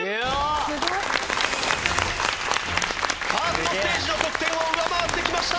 すごい。ファーストステージの得点を上回ってきました！